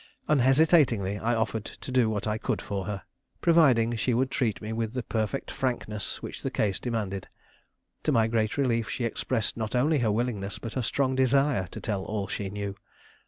Unhesitatingly, I offered to do what I could for her, providing she would treat me with the perfect frankness which the case demanded. To my great relief, she expressed not only her willingness, but her strong desire, to tell all she knew.